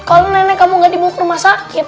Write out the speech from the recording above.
kalau nenek kamu gak dibawa ke rumah sakit